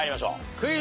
クイズ。